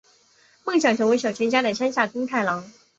梦想成为小说家的山下耕太郎！